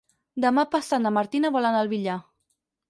Demà passat na Martina vol anar al Villar.